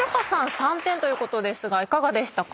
３点ということですがいかがでした？